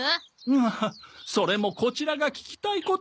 はあそれもこちらが聞きたいことですが。